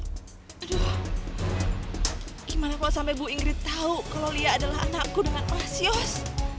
aduh gimana kok sampe bu ingrid tau kalau lia adalah anakku dengan mas yos